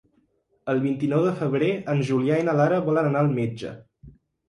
El vint-i-nou de febrer en Julià i na Lara volen anar al metge.